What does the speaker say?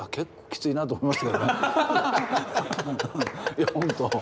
いや本当。